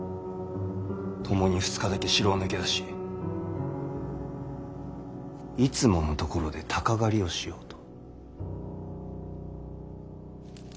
ともに２日だけ城を抜け出しいつもの所で鷹狩りをしようと。